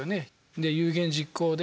で有言実行で。